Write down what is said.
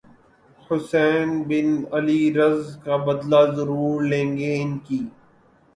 حسین بن علی رض کا بدلہ ضرور لیں گے انکی